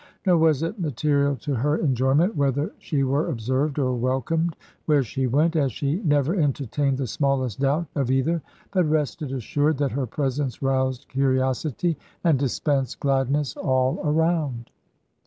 Nor was it material to her enjoyment whether she were observed, or welcomed, where she went, as she never entertained the smallest doubt of either; but rested assured that her presence roused curiosity and dispensed gladness all around.